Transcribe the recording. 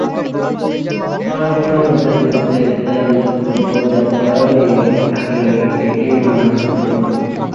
স্বয়ংক্রিয় পদ্ধতিতে তেল বোতলজাত করার নিয়ম থাকলেও এটি মানা হচ্ছিল না।